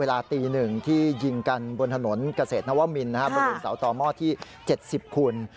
เวลาตีหนึ่งที่ยิงกันบนถนนเกษตรนวมมิลบริษัทต่อมอดที่๗๐คุณ